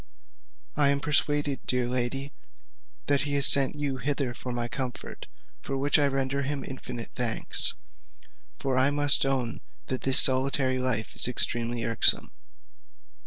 I am persuaded, dear lady, that he has sent you hither for my comfort, for which I render him infinite thanks; for I must own that this solitary life is extremely irksome."